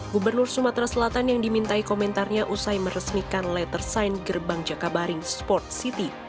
gubernur sumatera selatan yang dimintai komentarnya usai meresmikan letter sign gerbang jakabaring sport city